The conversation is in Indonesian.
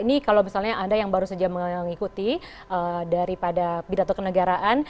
ini kalau misalnya anda yang baru saja mengikuti daripada pidato kenegaraan